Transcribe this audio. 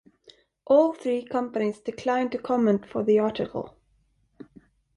All three companies declined to comment for the article.